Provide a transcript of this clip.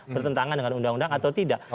bertentangan dengan undang undang atau tidak